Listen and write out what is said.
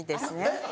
えっ？